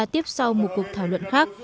tiếp sau một cuộc thảo luận khác